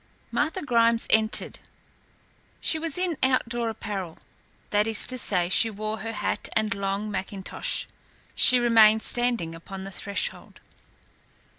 Martha Grimes entered. She was in outdoor apparel, that is to say she wore her hat and a long mackintosh. She remained standing upon the threshold.